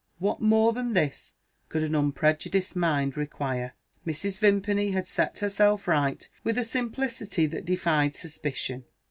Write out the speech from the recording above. What more than this could an unprejudiced mind require? Mrs. Vimpany had set herself right with a simplicity that defied suspicion.